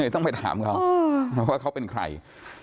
ต้องไปถามเขาว่าเขาเป็นใคร